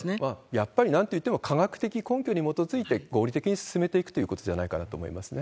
やっぱりなんといっても科学的根拠に基づいて、合理的に進めていくということじゃないかなと思いますね。